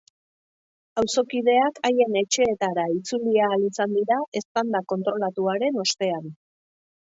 Auzokideak haien etxeetara itzuli ahal izan dira eztanda kontrolatuaren ostean.